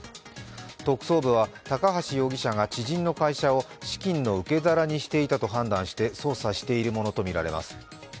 特捜部は高橋容疑者が知人の会社を資金の受け皿にしていたと判断して捜査しているものとみられます。